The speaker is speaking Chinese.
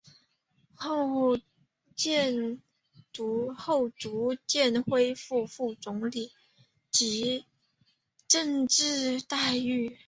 后逐渐恢复副总理级政治待遇。